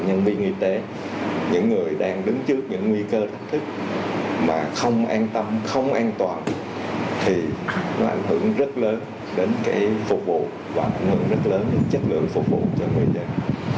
nhân viên y tế những người đang đứng trước những nguy cơ thách thức mà không an tâm không an toàn thì nó ảnh hưởng rất lớn đến cái phục vụ và ảnh hưởng rất lớn đến chất lượng phục vụ cho bệnh nhân